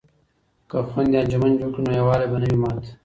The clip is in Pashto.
که خویندې انجمن جوړ کړي نو یووالی به نه وي مات.